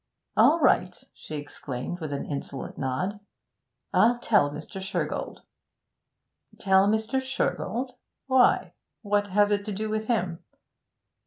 'All right,' she exclaimed, with an insolent nod. 'I'll tell Mr. Shergold.' 'Tell Mr. Shergold? Why? What has it to do with him?'